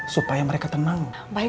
supaya mereka tenang